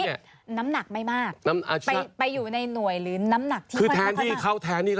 จากลองสาวัสตร์เป็นสาวัสตร์เนี่ย